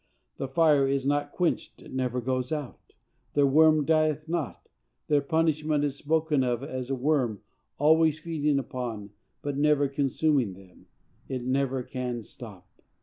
The fire is not quenched, it never goes out, "their worm dieth not;" their punishment is spoken of as a worm always feeding upon but never consuming them; it never can stop.